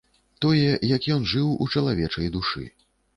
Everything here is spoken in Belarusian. Тое, як ён жыў у чалавечай душы.